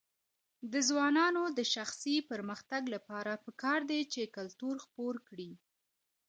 د ځوانانو د شخصي پرمختګ لپاره پکار ده چې کلتور خپور کړي.